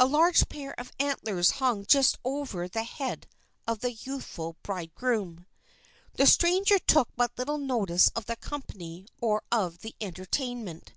A large pair of antlers hung just over the head of the youthful bridegroom. The stranger took but little notice of the company or of the entertainment.